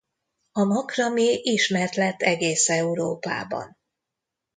A makramé ismert lett egész Európában.